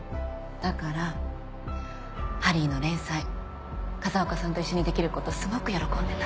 だから『ハリー』の連載風岡さんと一緒にできることすごく喜んでた。